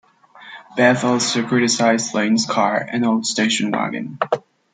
Beth also criticizes Lane's car, an old station wagon.